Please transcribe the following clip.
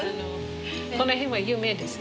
この辺は有名ですね